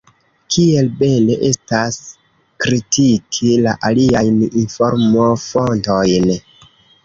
Kiel bele estas kritiki la aliajn informofontojn!